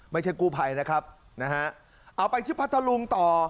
ไม่ใช่กู้ภัยนะครับเอาไปที่พระธรุงตอ